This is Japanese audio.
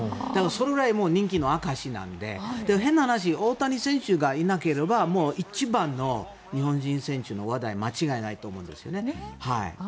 それくらい人気の証しなので変な話、大谷選手がいなければ一番の日本人選手の話題で間違いないと思うんです。